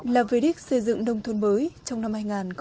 là về đích xây dựng nông thôn mới trong năm hai nghìn một mươi tám